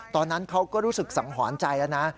ตอนนั้นเขาก็รู้สึกสังหรณ์ใจแล้วนะ